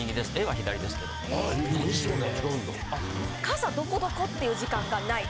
傘どこどこっていう時間がない。